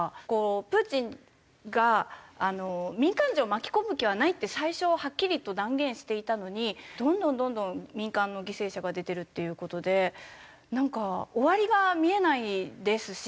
プーチンが民間人を巻き込む気はないって最初はっきりと断言していたのにどんどんどんどん民間の犠牲者が出てるっていう事でなんか終わりが見えないですし。